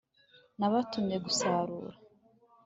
nabatumye gusarura